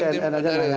biar cnn aja